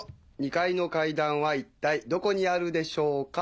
２階の階段はいったいどこにあるでしょうか？